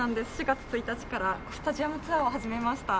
４月１日からスタジアムツアーを始めました。